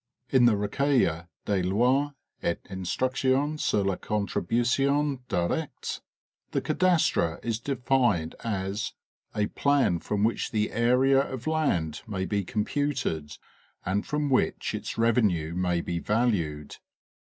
In the Recueil des Lois et Instructions sur les contributions directes, the cadastre is defined as "a plan from which the area of land may be computed, and from which its revenue may be valued."